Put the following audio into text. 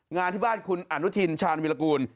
งานที่บ้านคุณอนุทินชาญวิรากูล